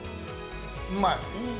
うまい。